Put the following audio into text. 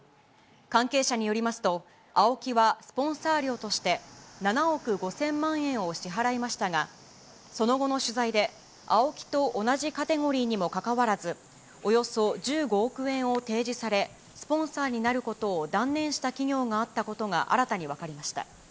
関係者によりますと、ＡＯＫＩはスポンサー料として、７億５０００万円を支払いましたが、その後の取材で、ＡＯＫＩと同じカテゴリーにもかかわらず、およそ１５億円を提示され、スポンサーになることを断念した企業があったことが新たに分かりました。